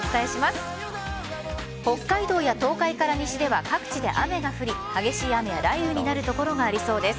北海道から東海から西では各地で雨が降り激しい雨や雷雨になる所がありそうです。